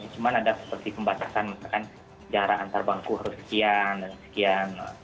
cuma ada seperti pembatasan misalkan jarak antar bangku harus sekian dan sekian